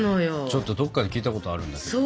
ちょっとどっかで聞いたことあるんだけど。